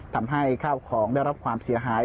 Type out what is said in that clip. ทำให้ข้าวของได้รับความเสียหาย